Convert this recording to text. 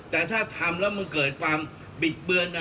แต่ถ้าทำแล้วมันเกิดความบิดเบือน